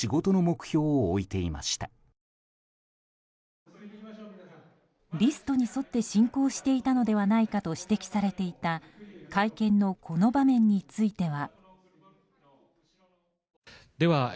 ＮＧリストに沿って進行していたのではないかと指摘されていた会見のこの場面については。